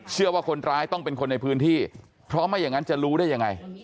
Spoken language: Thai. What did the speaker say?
เชื่อว่าคนร้ายต้องเป็นคนในพื้นที่เพราะไม่อย่างนั้นจะรู้ได้ยังไง